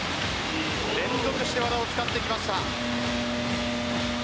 連続して和田を使ってきました。